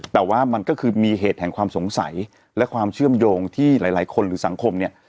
แต่ว่ามันก็คือมีเหตุแห่งความสงสัยและความเชื่อมโยงที่หลายคนหรือสังคมเนี่ย